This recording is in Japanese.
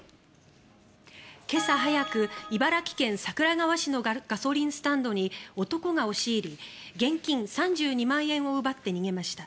今朝早く、茨城県桜川市のガソリンスタンドに男が押し入り現金３２万円を奪って逃げました。